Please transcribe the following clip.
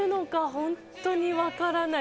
本当にわからない。